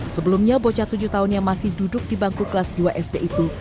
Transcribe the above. sebelumnya bocah tujuh tahun yang masih duduk di bangku kelas dua sd itu